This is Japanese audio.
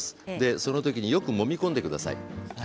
そのときによくもみ込んでください。